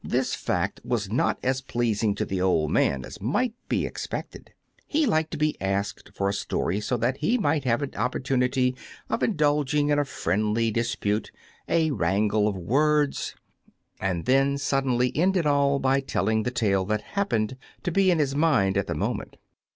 This fact was not as pleasing to the old man as might be expected. He liked to be asked for a story so that he might have an opportunity of indulging in a friendly dispute, a wrangle of words, and then suddenly end it all by telling the tale that happened to be in his mind at the mo ment.